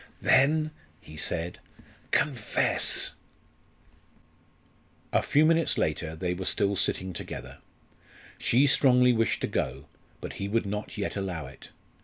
"Then!" he said "confess!" A few minutes later they were still sitting together. She strongly wished to go; but he would not yet allow it.